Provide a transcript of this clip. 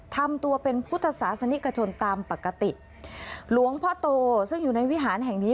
ทำตัวเป็นพุทธศาสนิกชนตามปกติหลวงพ่อโตซึ่งอยู่ในวิหารแห่งนี้